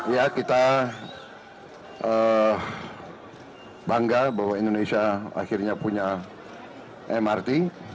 ya kita bangga bahwa indonesia akhirnya punya mrt